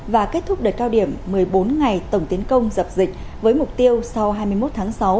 và kết thúc đợt cao điểm một mươi bốn ngày tổng tiến công dập dịch với mục tiêu sau hai mươi một tháng sáu